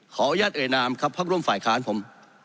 อนุญาตเอ่ยนามครับพักร่วมฝ่ายค้านผม